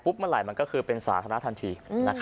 เมื่อไหร่มันก็คือเป็นสาธารณะทันที